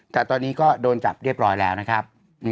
แต่ตอนนี้ก็โดนจับเรียบร้อยแล้วนะครับ